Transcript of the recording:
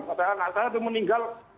katakan anak saya itu meninggal